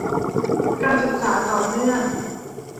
การศึกษาต่อเนื่อง